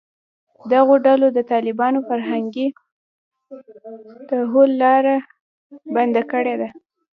دغو ډلو د طالباني فرهنګي تحول لاره بنده کړې ده